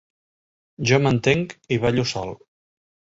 Jo m'entenc i ballo sol.